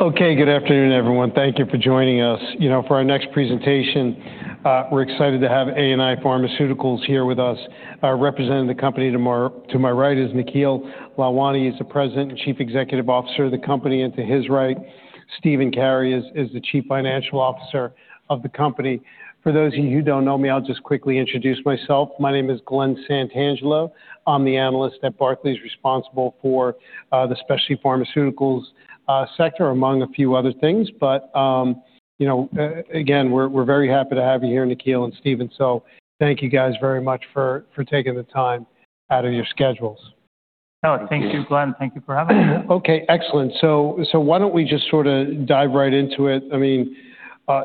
Okay, good afternoon, everyone. Thank you for joining us. You know, for our next presentation, we're excited to have ANI Pharmaceuticals here with us. Our representative of the company to my right is Nikhil Lalwani. He's the President and Chief Executive Officer of the company. To his right, Stephen Carey is the Chief Financial Officer of the company. For those of you who don't know me, I'll just quickly introduce myself. My name is Glen Santangelo. I'm the analyst at Barclays responsible for the specialty Pharmaceuticals sector, among a few other things. You know, again, we're very happy to have you here, Nikhil and Stephen. Thank you guys very much for taking the time out of your schedules. Oh, thank you, Glen. Thank you for having us. Okay, excellent. Why don't we just sort of dive right into it. I mean,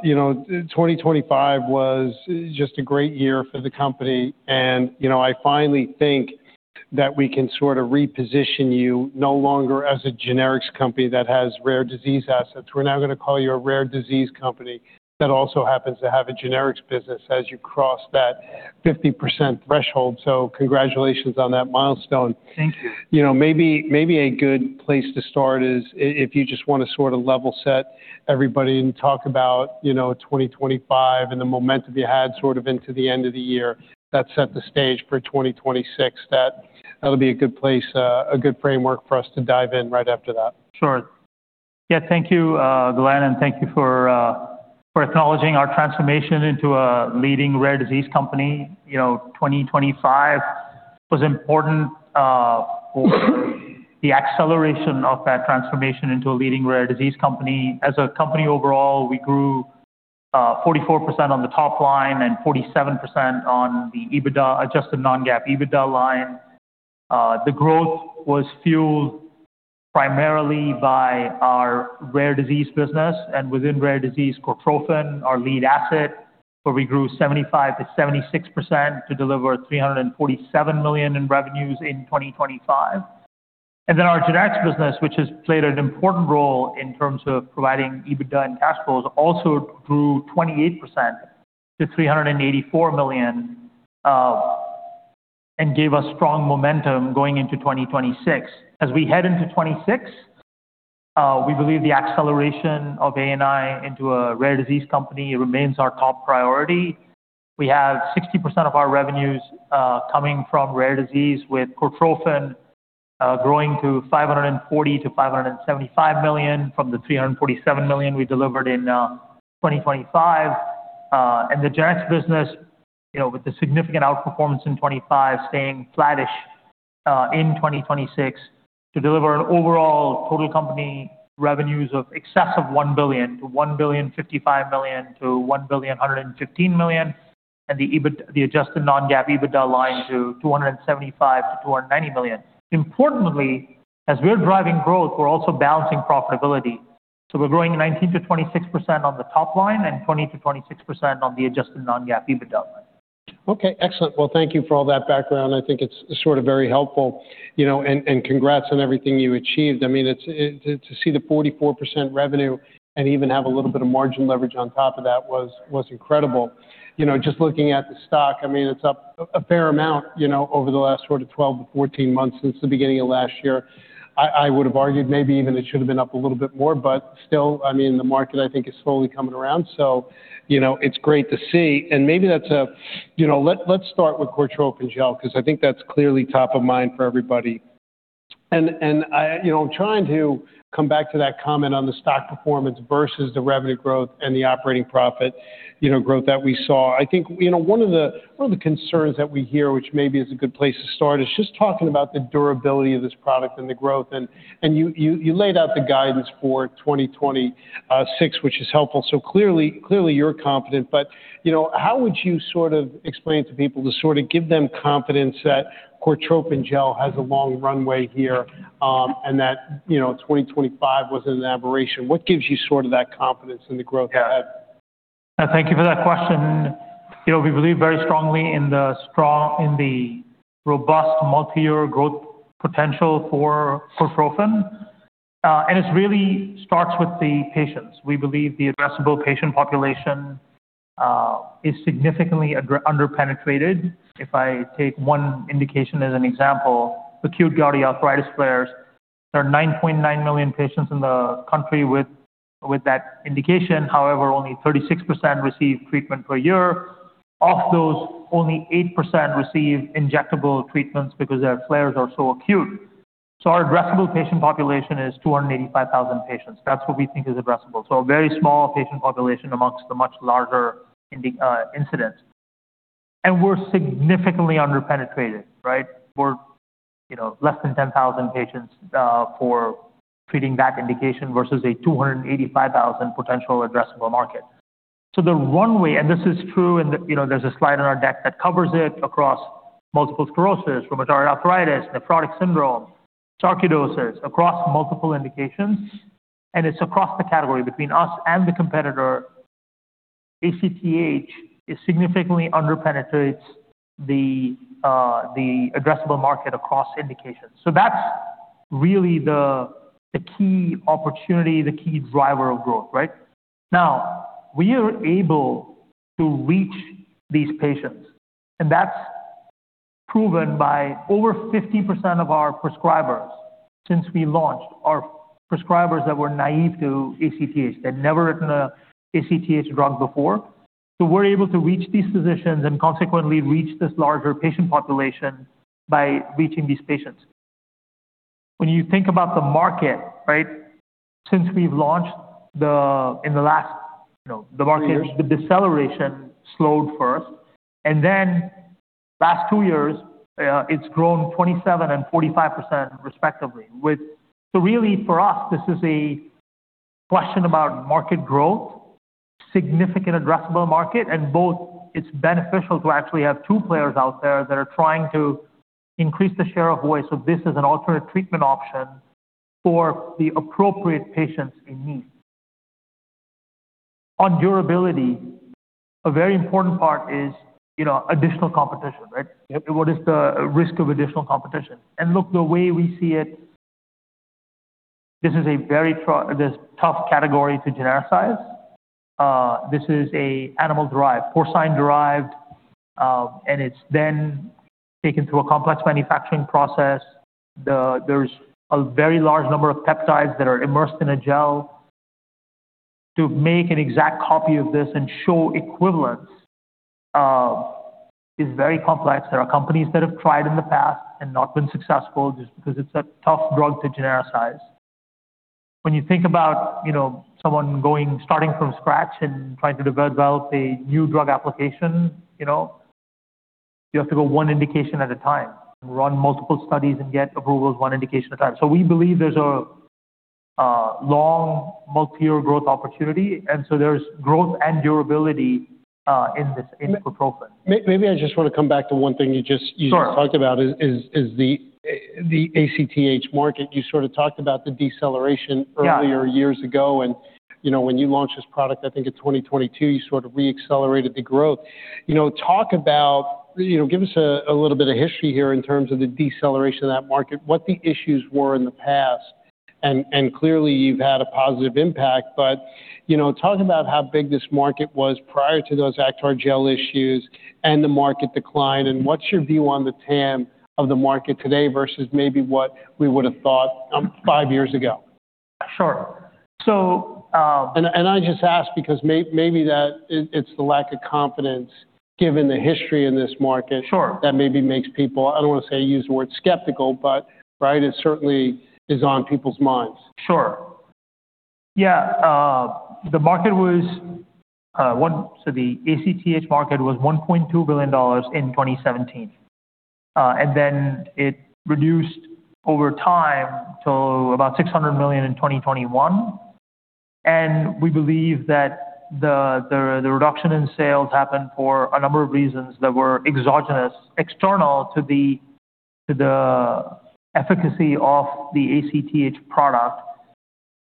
you know, 2025 was just a great year for the company and, you know, I finally think that we can sort of reposition you no longer as a Generics company that has Rare Disease assets. We're now gonna call you Rare Disease company that also happens to have a Generics business as you cross that 50% threshold. Congratulations on that milestone. Thank you. You know, maybe a good place to start is if you just wanna sort of level set everybody and talk about, you know, 2025 and the momentum you had sort of into the end of the year that set the stage for 2026. That'll be a good place, a good framework for us to dive in right after that. Sure. Yeah. Thank you, Glen, and thank you for acknowledging our transformation into a Rare Disease company. you know, 2025 was important for the acceleration of that transformation into a Rare Disease company. as a company overall, we grew 44% on the top line and 47% on the EBITDA, adjusted non-GAAP EBITDA line. The growth was fueled primarily by Rare Disease business and within Rare Disease Cortrophin, our lead asset, where we grew 75%-76% to deliver $347 million in revenues in 2025. Our Generics business, which has played an important role in terms of providing EBITDA and cash flows, also grew 28% to $384 million and gave us strong momentum going into 2026. As we head into 2026, we believe the acceleration of ANI into Rare Disease company remains our top priority. We have 60% of our revenues coming from Rare Disease, with Cortrophin growing to $540 million-$575 million from the $347 million we delivered in 2025. The Generics business, you know, with the significant outperformance in 2025 staying flattish in 2026 to deliver an overall total company revenues in excess of $1 billion to $1.055 billion-$1.115 billion. The adjusted non-GAAP EBITDA line to $275 million-$290 million. Importantly, as we're driving growth, we're also balancing profitability. We're growing 19%-26% on the top line and 20%-26% on the adjusted non-GAAP EBITDA line. Okay, excellent. Well, thank you for all that background. I think it's sort of very helpful, you know, and congrats on everything you achieved. I mean, it's to see the 44% revenue and even have a little bit of margin leverage on top of that was incredible. You know, just looking at the stock, I mean, it's up a fair amount, you know, over the last sort of 12-14 months since the beginning of last year. I would have argued maybe even it should have been up a little bit more, but still, I mean, the market I think is slowly coming around. You know, it's great to see. Maybe that's a. You know, let's start with Cortrophin Gel because I think that's clearly top of mind for everybody. You know, trying to come back to that comment on the stock performance versus the revenue growth and the operating profit, you know, growth that we saw. I think, you know, one of the concerns that we hear, which maybe is a good place to start, is just talking about the durability of this product and the growth. You laid out the guidance for 2026, which is helpful. Clearly you're confident. You know, how would you sort of explain to people to sort of give them confidence that Cortrophin Gel has a long runway here, and that, you know, 2025 was an aberration. What gives you sort of that confidence in the growth ahead? Thank you for that question. You know, we believe very strongly in the robust multi-year growth potential for Cortrophin. It really starts with the patients. We believe the addressable patient population is significantly underpenetrated. If I take one indication as an example, acute gouty arthritis flares. There are 9.9 million patients in the country with that indication. However, only 36% receive treatment per year. Of those, only 8% receive injectable treatments because their flares are so acute. Our addressable patient population is 285,000 patients. That's what we think is addressable. A very small patient population among the much larger incidence. We're significantly underpenetrated, right? We're, you know, less than 10,000 patients for treating that indication versus a 285,000 potential addressable market. The runway, and this is true and, you know, there's a slide on our deck that covers it across multiple sclerosis, rheumatoid arthritis, nephrotic syndrome, sarcoidosis, across multiple indications. It's across the category between us and the competitor. ACTH is significantly underpenetrates the addressable market across indications. That's really the key opportunity, the key driver of growth, right? Now, we are able to reach these patients, and that's proven by over 50% of our prescribers since we launched are prescribers that were naive to ACTH. They'd never written a ACTH drug before. We're able to reach these physicians and consequently reach this larger patient population by reaching these patients. When you think about the market, right, since we've launched in the last, you know, the market. The deceleration slowed first and then last two years, it's grown 27% and 45% respectively. Really for us, this is a question about market growth, significant addressable market, and both it's beneficial to actually have two players out there that are trying to increase the share of voice of this as an alternate treatment option for the appropriate patients in need. On durability, a very important part is, you know, additional competition, right? What is the risk of additional competition? Look, the way we see it, this is a very this tough category to genericize. This is an animal-derived, porcine-derived, and it's then taken through a complex manufacturing process. There's a very large number of peptides that are immersed in a gel. To make an exact copy of this and show equivalence is very complex. There are companies that have tried in the past and not been successful just because it's a tough drug to genericize. When you think about, you know, someone going, starting from scratch and trying to develop a new drug application, you know, you have to go one indication at a time and run multiple studies and get approvals one indication at a time. We believe there's a long multi-year growth opportunity, and there's growth and durability in this profile. Maybe I just wanna come back to one thing you just, you talked about is the ACTH market. You sort of talked about the deceleration several years ago, you know, when you launched this product, I think in 2022, you sort of re-accelerated the growth. You know, talk about, you know, give us a little bit of history here in terms of the deceleration of that market, what the issues were in the past. Clearly you've had a positive impact, but, you know, talk about how big this market was prior to those Acthar Gel issues and the market decline, and what's your view on the TAM of the market today versus maybe what we would have thought five years ago? And I just ask because maybe it's the lack of confidence given the history in this market that maybe makes people, I don't wanna say use the word skeptical, but right, it certainly is on people's minds. Sure. Yeah. The ACTH market was $1.2 billion in 2017. Then it reduced over time to about $600 million in 2021. We believe that the reduction in sales happened for a number of reasons that were exogenous, external to the efficacy of the ACTH product,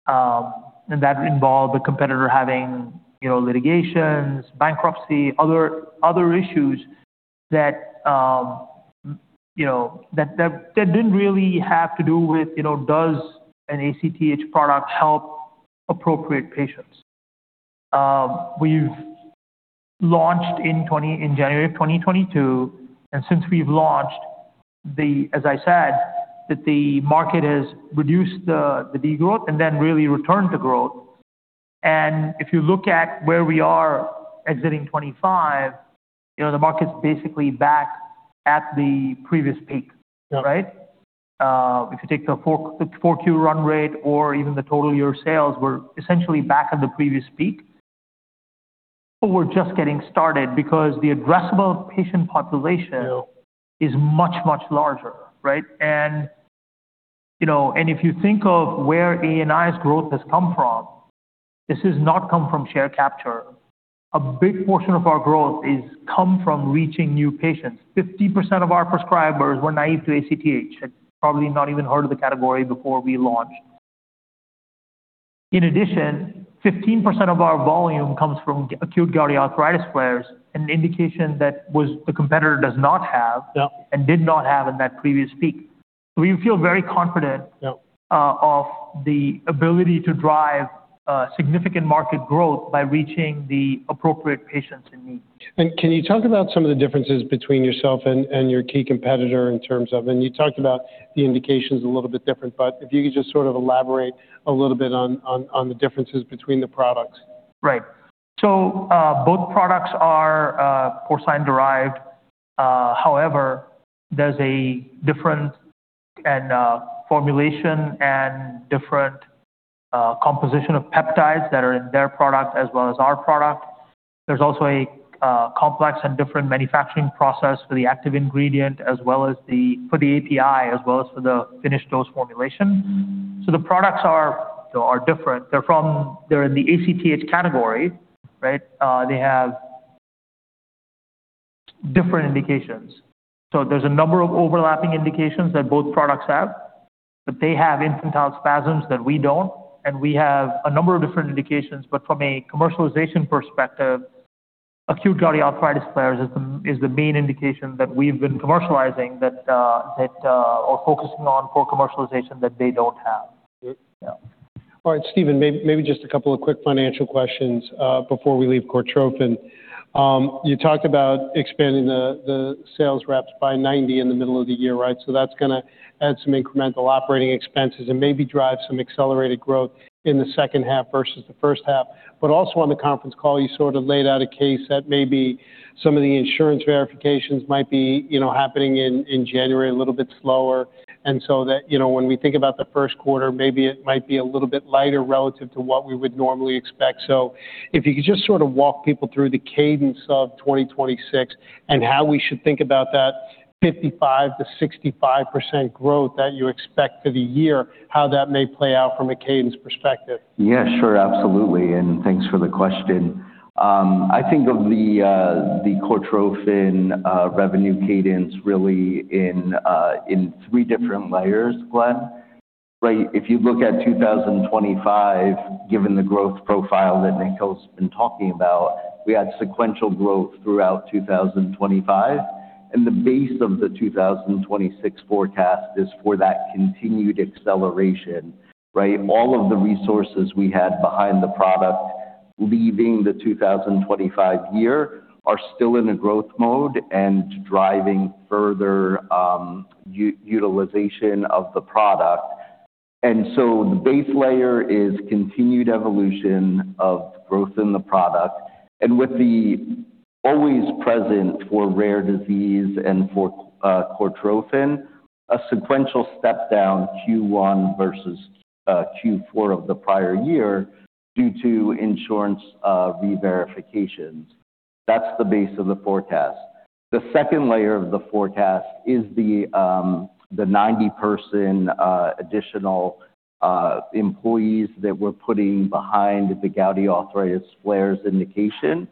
and that involved the competitor having, you know, litigations, bankruptcy, other issues that, you know, that didn't really have to do with, you know, does an ACTH product help appropriate patients. We've launched in January of 2022, and since we've launched, as I said, that the market has reduced the degrowth and then really returned to growth. If you look at where we are exiting 2025, you know, the market's basically back at the previous peak. Right? If you take the 4Q run rate or even the total year sales, we're essentially back at the previous peak. We're just getting started because the addressable patient population is much, much larger, right? You know, and if you think of where ANI's growth has come from, this has not come from share capture. A big portion of our growth is come from reaching new patients. 50% of our prescribers were naive to ACTH, had probably not even heard of the category before we launched. In addition, 15% of our volume comes from acute gouty arthritis flares, an indication that the competitor does not have did not have in that previous peak. We feel very confident of the ability to drive significant market growth by reaching the appropriate patients in need. Can you talk about some of the differences between yourself and your key competitor, and you talked about the indications a little bit different, but if you could just sort of elaborate a little bit on the differences between the products? Right. Both products are porcine-derived. However, there's a different formulation and different composition of peptides that are in their product as well as our product. There's also a complex and different manufacturing process for the active ingredient as well as for the API as well as for the finished dose formulation. The products are different. They're in the ACTH category, right? They have different indications. There's a number of overlapping indications that both products have, but they have infantile spasms that we don't, and we have a number of different indications. From a commercialization perspective, acute gouty arthritis flares is the main indication that we've been commercializing or focusing on for commercialization that they don't have. All right, Stephen, maybe just a couple of quick financial questions before we leave Cortrophin. You talked about expanding the sales reps by 90 in the middle of the year, right? That's gonna add some incremental operating expenses and maybe drive some accelerated growth in the second half versus the first half. Also on the conference call, you sort of laid out a case that maybe some of the insurance verifications might be happening in January a little bit slower. That, you know, when we think about the first quarter, maybe it might be a little bit lighter relative to what we would normally expect. If you could just sort of walk people through the cadence of 2026 and how we should think about that 55%-65% growth that you expect for the year, how that may play out from a cadence perspective? Yeah, sure. Absolutely. Thanks for the question. I think of the Cortrophin revenue cadence really in three different layers, Glen. Right. If you look at 2025, given the growth profile that Nikhil's been talking about, we had sequential growth throughout 2025. The base of the 2026 forecast is for that continued acceleration, right? All of the resources we had behind the product leaving the 2025 year are still in a growth mode and driving further utilization of the product. The base layer is continued evolution of growth in the product. With the always present for Rare Disease and for Cortrophin, a sequential step down Q1 versus Q4 of the prior year due to insurance reverifications. That's the base of the forecast. The second layer of the forecast is the 90% additional employees that we're putting behind the gouty arthritis flares indication.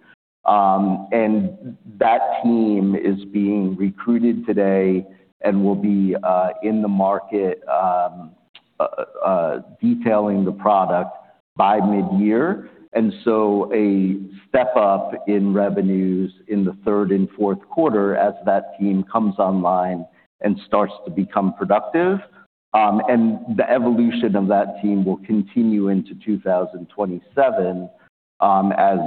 That team is being recruited today and will be in the market detailing the product by mid-year. A step up in revenues in the third and fourth quarter as that team comes online and starts to become productive. The evolution of that team will continue into 2027 as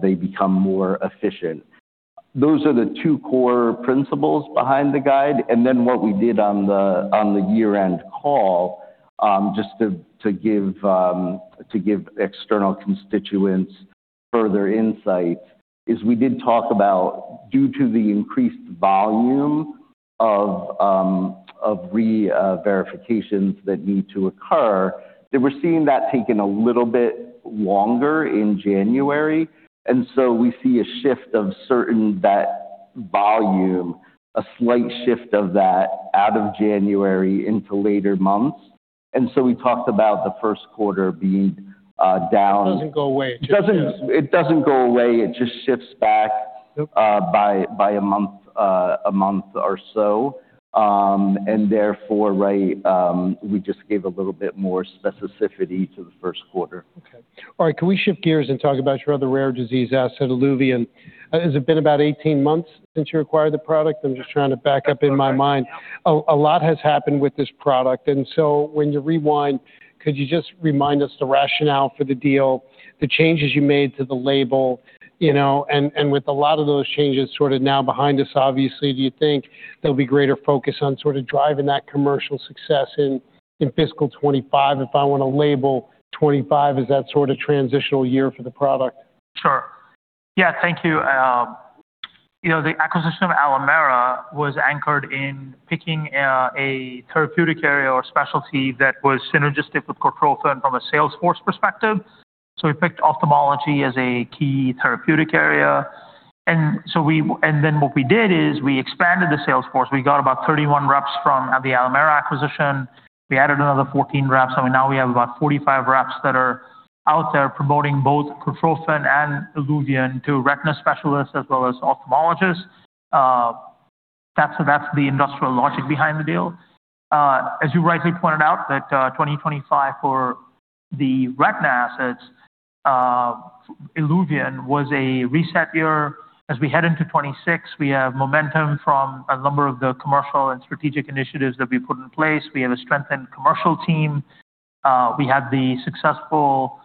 they become more efficient. Those are the two core principles behind the guide. Then what we did on the year-end call, just to give external constituents further insight, is we did talk about due to the increased volume of verifications that need to occur, that we're seeing that taking a little bit longer in January. We see a shift of certain that volume, a slight shift of that out of January into later months. We talked about the first quarter being down. It doesn't go away. It doesn't go away. It just shifts back by a month or so. Therefore, right, we just gave a little bit more specificity to the first quarter. Okay. All right. Can we shift gears and talk about your other Rare Disease asset, ILUVIEN? Has it been about 18 months since you acquired the product? I'm just trying to back up in my mind. A lot has happened with this product. When you rewind, could you just remind us the rationale for the deal, the changes you made to the label, you know. With a lot of those changes sort of now behind us, obviously, do you think there'll be greater focus on sort of driving that commercial success in fiscal 2025? If I were to label 2025, is that sort of transitional year for the product? Sure. Yeah. Thank you. You know, the acquisition of Alimera was anchored in picking a therapeutic area or specialty that was synergistic with Cortrophin from a sales force perspective. We picked ophthalmology as a key therapeutic area. What we did is we expanded the sales force. We got about 31 reps from the Alimera acquisition. We added another 14 reps, and now we have about 45 reps that are out there promoting both Cortrophin and ILUVIEN to retina specialists as well as ophthalmologists. That's the industrial logic behind the deal. As you rightly pointed out, 2025 for the retina assets, ILUVIEN was a reset year. As we head into 2026, we have momentum from a number of the commercial and strategic initiatives that we put in place. We have a strengthened commercial team. We have the successful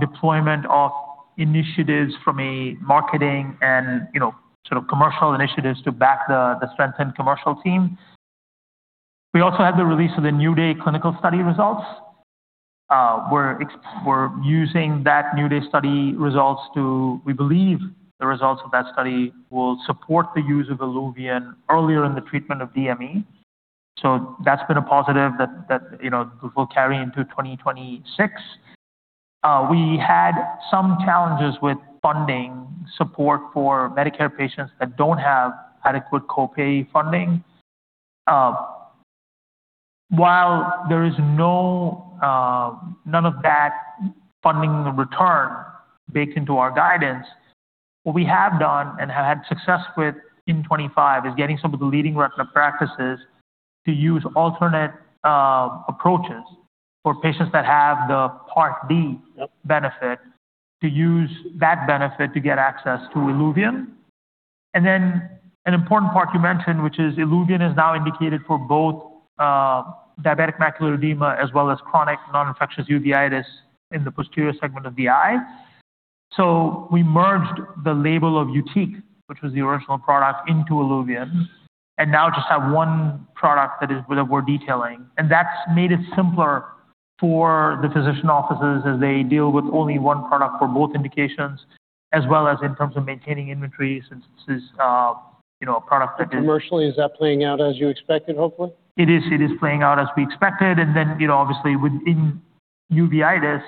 deployment of initiatives from a marketing and, you know, sort of commercial initiatives to back the strengthened commercial team. We also had the release of the NEW DAY clinical study results. We're using that NEW DAY study results. We believe the results of that study will support the use of ILUVIEN earlier in the treatment of DME. That's been a positive that you know will carry into 2026. We had some challenges with funding support for Medicare patients that don't have adequate co-pay funding. While there is none of that funding return baked into our guidance, what we have done and have had success with in 2025 is getting some of the leading retina practices to use alternate approaches for patients that have the Part D benefit to use that benefit to get access to ILUVIEN. An important part you mentioned, which is ILUVIEN is now indicated for both diabetic macular edema as well as chronic non-infectious uveitis in the posterior segment of the eye. We merged the label of YUTIQ, which was the original product, into ILUVIEN, and now just have one product that we're detailing. That's made it simpler for the physician offices as they deal with only one product for both indications, as well as in terms of maintaining inventory since this is, you know, a product that is. Commercially, is that playing out as you expected, hopefully? It is playing out as we expected. You know, obviously within uveitis,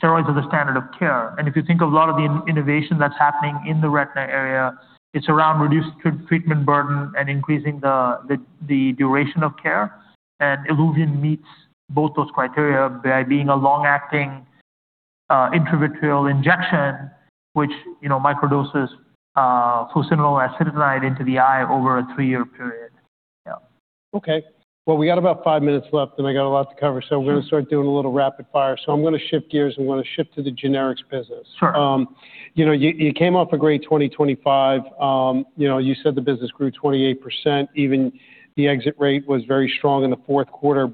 steroids are the standard of care. If you think of a lot of the innovation that's happening in the retina area, it's around reduced treatment burden and increasing the duration of care. ILUVIEN meets both those criteria by being a long-acting intravitreal injection, which, you know, microdoses fluocinolone acetonide into the eye over a three-year period. Yeah. Okay. Well, we got about five minutes left, and I got a lot to cover, so I'm gonna start doing a little rapid fire. I'm gonna shift gears and I'm gonna shift to the Generics business. Sure. You know, you came off a great 2025. You know, you said the business grew 28%. Even the exit rate was very strong in the fourth quarter.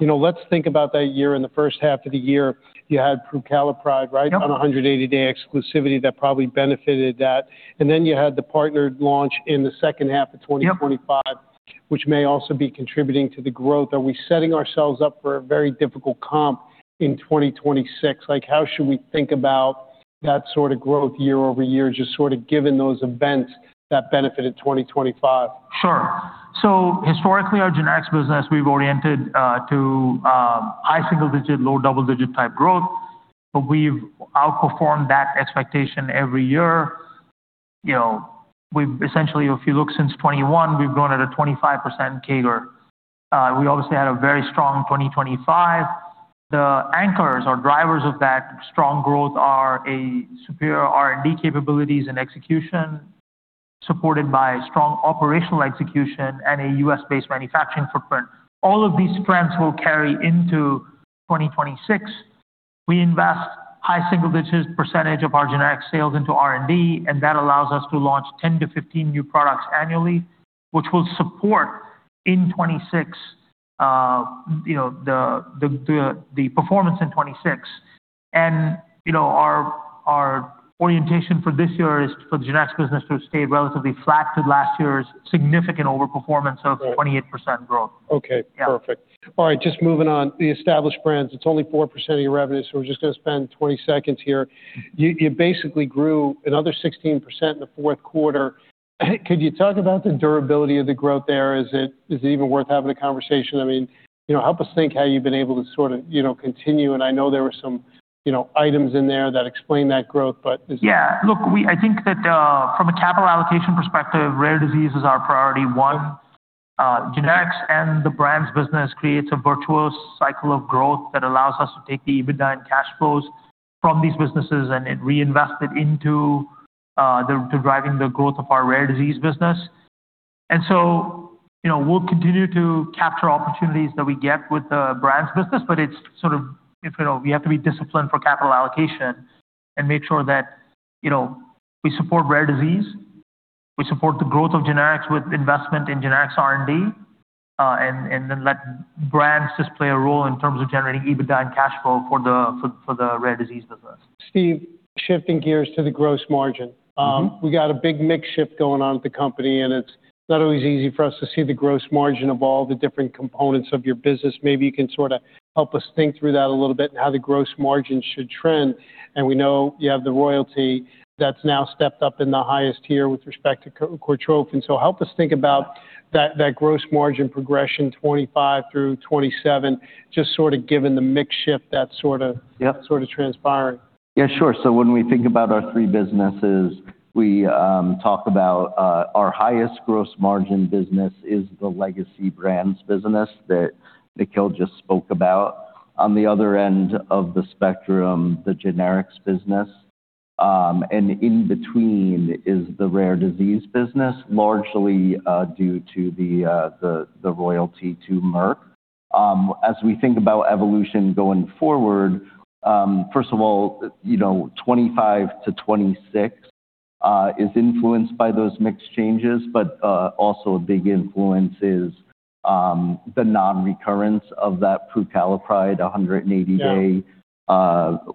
You know, let's think about that year. In the first half of the year, you had prucalopride, right? On a 180-day exclusivity that probably benefited that. You had the partnered launch in the second half of 2025. Which may also be contributing to the growth. Are we setting ourselves up for a very difficult comp in 2026? Like, how should we think about that sort of growth year-over-year, just sort of given those events that benefited 2025? Sure. Historically, our Generics business, we've oriented to high single-digit, low double-digit type growth, but we've outperformed that expectation every year. You know, we've essentially, if you look since 2021, we've grown at a 25% CAGR. We obviously had a very strong 2025. The anchors or drivers of that strong growth are a superior R&D capabilities and execution, supported by strong operational execution and a U.S.-based manufacturing footprint. All of these trends will carry into 2026. We invest high single-digit percentage of our generic sales into R&D, and that allows us to launch 10-15 new products annually, which will support in 2026, you know, the performance in 2026. You know, our orientation for this year is for the Generics business to stay relatively flat to last year's significant overperformance of 28% growth. Right. Okay. Yeah. Perfect. All right, just moving on. The established Brands, it's only 4% of your revenue, so we're just gonna spend 20 seconds here. You basically grew another 16% in the fourth quarter. Could you talk about the durability of the growth there? Is it even worth having a conversation? I mean, you know, help us think how you've been able to sort of, you know, continue. I know there were some, you know, items in there that explain that growth, but is- Yeah. Look, I think that from a capital allocation perspective, Rare Disease is our priority one. Generics and the Brands business creates a virtuous cycle of growth that allows us to take the EBITDA and cash flows from these businesses and then reinvest it into driving the growth of Rare Disease business. you know, we'll continue to capture opportunities that we get with the Brands business, but it's sort of if, you know, we have to be disciplined for capital allocation and make sure that, you know, we support Rare Disease, we support the growth of Generics with investment in Generics R&D, and then let Brands just play a role in terms of generating EBITDA and cash flow for the Rare Disease business. Stephen, shifting gears to the gross margin. We got a big mix shift going on at the company, and it's not always easy for us to see the gross margin of all the different components of your business. Maybe you can sorta help us think through that a little bit and how the gross margin should trend. We know you have the royalty that's now stepped up in the highest tier with respect to Cortrophin. So help us think about that gross margin progression, 2025-2027, just sort of given the mix shift that's sort of transpiring. Yeah, sure. When we think about our three businesses, we talk about our highest gross margin business is the legacy Brands business that Nikhil just spoke about. On the other end of the spectrum, the Generics business. In between is Rare Disease business, largely due to the royalty to Merck. As we think about evolution going forward, first of all, you know, 2025-2026 is influenced by those mix changes, but also a big influence is the non-recurrence of that prucalopride 180-day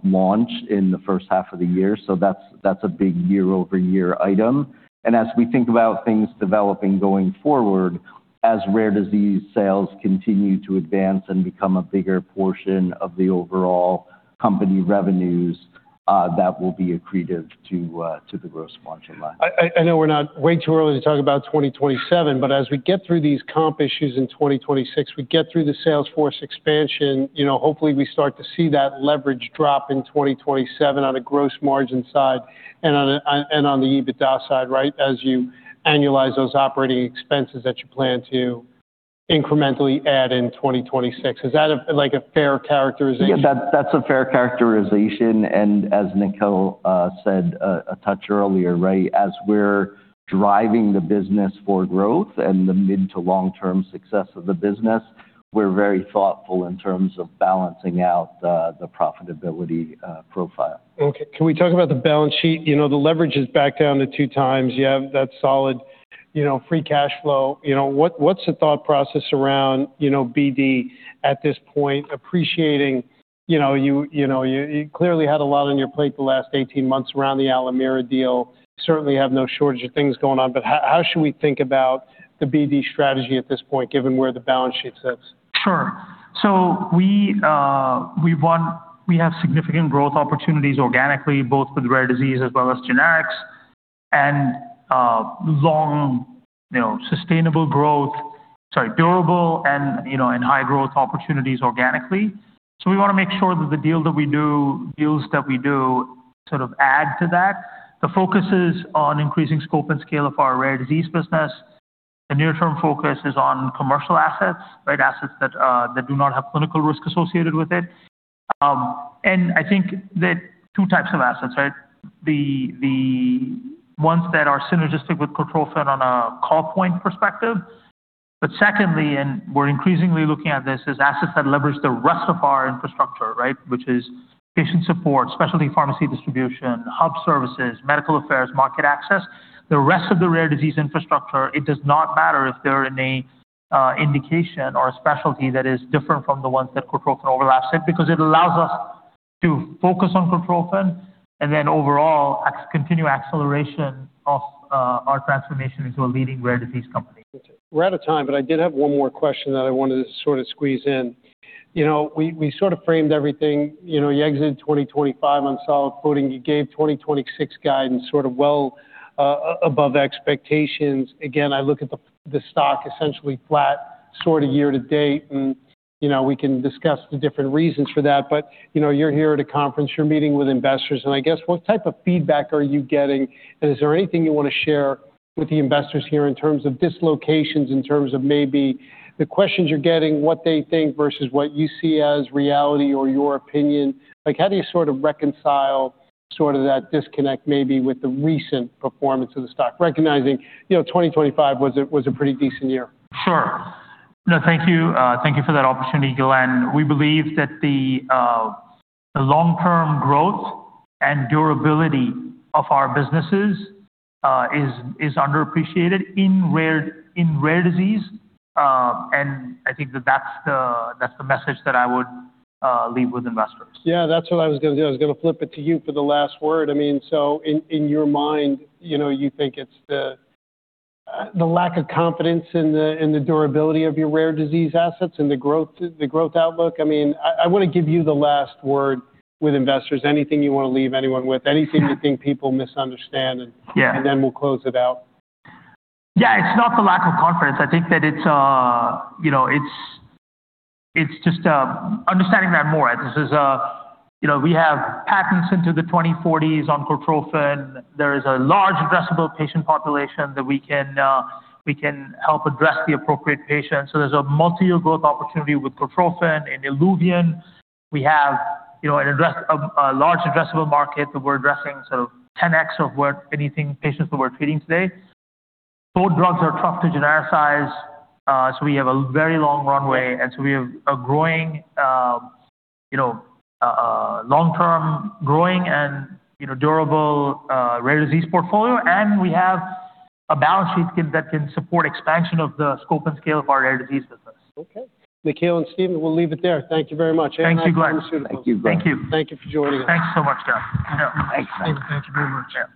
launch in the first half of the year. That's a big year-over-year item. As we think about things developing going forward, as Rare Disease sales continue to advance and become a bigger portion of the overall company revenues, that will be accretive to the gross margin line. I know we're not way too early to talk about 2027, but as we get through these comp issues in 2026, we get through the sales force expansion, you know, hopefully, we start to see that leverage drop in 2027 on a gross margin side and on the EBITDA side, right? As you annualize those operating expenses that you plan to incrementally add in 2026. Is that like a fair characterization? Yeah, that's a fair characterization. As Nikhil said a touch earlier, right? As we're driving the business for growth and the mid to long-term success of the business, we're very thoughtful in terms of balancing out the profitability profile. Okay. Can we talk about the balance sheet? You know, the leverage is back down to 2x. Yeah, that's solid. You know, free cash flow. You know, what's the thought process around, you know, BD at this point, appreciating, you know, you clearly had a lot on your plate the last 18 months around the Alimera deal. Certainly have no shortage of things going on. But how should we think about the BD strategy at this point, given where the balance sheet sits? Sure. We have significant growth opportunities organically, both with Rare Disease as well as Generics and durable and, you know, and high growth opportunities organically. We wanna make sure that the deals that we do sort of add to that. The focus is on increasing scope and scale of Rare Disease business. the near term focus is on commercial assets, right? Assets that do not have clinical risk associated with it. I think there are two types of assets, right? The ones that are synergistic with Cortrophin on a call point perspective. Secondly, and we're increasingly looking at this, are assets that leverage the rest of our infrastructure, right? Which is patient support, specialty pharmacy distribution, hub services, medical affairs, market access. The rest of the Rare Disease infrastructure, it does not matter if they're in a indication or a specialty that is different from the ones that Cortrophin overlaps it, because it allows us to focus on Cortrophin and then overall continue acceleration of our transformation into a leading Rare Disease company. We're out of time, but I did have one more question that I wanted to sort of squeeze in. You know, we sort of framed everything. You know, you exited 2025 on solid footing. You gave 2026 guidance sort of well above expectations. Again, I look at the stock essentially flat sort of year to date and, you know, we can discuss the different reasons for that. But, you know, you're here at a conference, you're meeting with investors, and I guess what type of feedback are you getting? And is there anything you wanna share with the investors here in terms of dislocations, in terms of maybe the questions you're getting, what they think versus what you see as reality or your opinion? Like, how do you sort of reconcile sort of that disconnect maybe with the recent performance of the stock, recognizing, you know, 2025 was a pretty decent year? Sure. No, thank you. Thank you for that opportunity, Glen. We believe that the long-term growth and durability of our businesses is underappreciated in Rare Disease. I think that that's the message that I would leave with investors. Yeah, that's what I was gonna do. I was gonna flip it to you for the last word. I mean, so in your mind, you know, you think it's the lack of confidence in the durability of your Rare Disease assets and the growth outlook. I mean, I wanna give you the last word with investors. Anything you wanna leave anyone with? Anything you think people misunderstand? And we'll close it out. Yeah. It's not the lack of confidence. I think that it's, you know, it's just understanding that more. This is, you know, we have patents into the 2040s on Cortrophin. There is a large addressable patient population that we can help address the appropriate patient. There's a multi-year growth opportunity with Cortrophin. In ILUVIEN, we have, you know, a large addressable market that we're addressing, 10x what any patients that we're treating today. Both drugs are tough to genericize, so we have a very long runway. We have a growing, you know, long-term growing and, you know, durable Rare Disease portfolio. We have a balance sheet that can support expansion of the scope and scale of our Rare Disease business. Okay. Nikhil and Stephen, we'll leave it there. Thank you very much. ANI Pharmaceuticals. Thank you, Glen. Thank you. Thank you for joining us. Thanks so much, Glen. Thanks. Stephen, thank you very much.